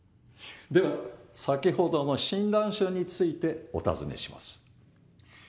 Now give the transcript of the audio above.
では先ほどの診断書についてお尋ねします。